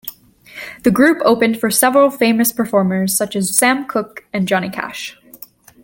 The group opened for several famous performers, such as Sam Cooke and Johnny Cash.